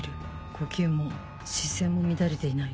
呼吸も視線も乱れていない